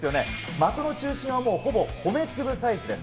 的の中心はもう米粒サイズです。